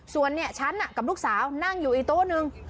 สวัสดีเนี่ยฉันนะกับลูกสาวนั่งอยู่ตู้นึง